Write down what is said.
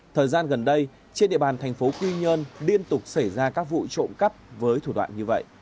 thời gian gần đây trên địa bàn thành phố quy nhơn liên tục xảy ra các vụ trộm cắp với thủ đoạn như vậy